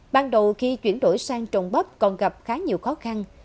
ban đầu khi chuyển đổi sang trồng bắp còn gặp khá nhiều khó khăn